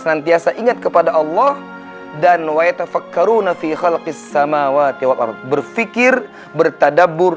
senantiasa ingat kepada allah dan wayafakkaruna fihal kisah mawati wapar berfikir bertadabur